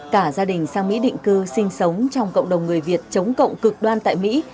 cả gia đình sang mỹ định cư sinh sống trong cộng đồng người việt chống cộng cực đoan tại mỹ